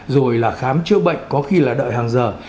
rồi là khám chữa bệnh có khi là đợi hàng giờ